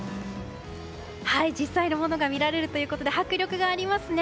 実際のものが見られるということで迫力がありますね。